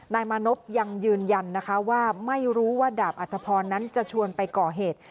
นายมานพยังยืนยันนะคะว่าไม่รู้ว่าดาบอัตภพรนั้นจะชวนไปก่อเหตุ